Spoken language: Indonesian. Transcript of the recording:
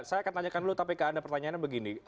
saya akan tanyakan dulu tapi ke anda pertanyaannya begini